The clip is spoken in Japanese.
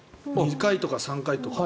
２回とか３回とか。